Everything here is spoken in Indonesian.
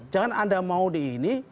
jangan anda mau di ini